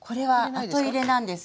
あっ後入れなんですね？